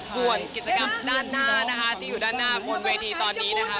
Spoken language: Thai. ส่วนกิจกรรมด้านหน้านะคะที่อยู่ด้านหน้าบนเวทีตอนนี้นะคะ